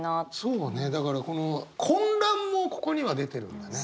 そうねだから混乱もここには出てるんだね。